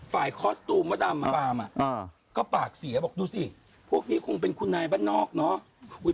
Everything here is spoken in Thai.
คอสตูมมะดำก็ปากเสียบอกดูสิพวกนี้คงเป็นคุณนายบ้านนอกเนาะ